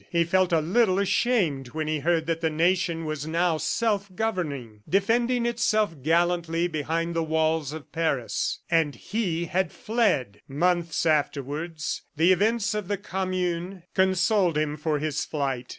He felt a little ashamed when he heard that the nation was now self governing, defending itself gallantly behind the walls of Paris. And he had fled! ... Months afterwards, the events of the Commune consoled him for his flight.